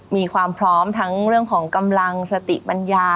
มีความพร้อมทั้งเรื่องของกำลังสติปัญญา